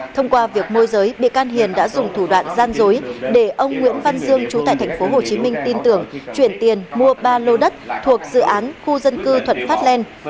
thông qua việc môi giới bị can hiền đã dùng thủ đoạn gian dối để ông nguyễn văn dương trú tại tp hcm tin tưởng chuyển tiền mua ba lô đất thuộc dự án khu dân cư thuận phát lên